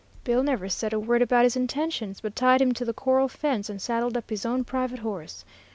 Bill never said a word about his intentions, but tied him to the corral fence and saddled up his own private horse.